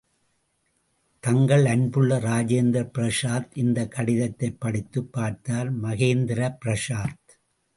தங்கள் அன்புள்ள இராஜேந்திர பிரசாத் இந்தக் கடிதத்தைப் படித்துப் பார்த்தார் மகேந்திர பிரசாத்.